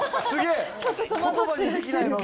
ちょっと戸惑ってらっしゃる。